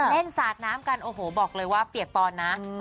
สาดน้ำกันโอ้โหบอกเลยว่าเปียกปอนนะ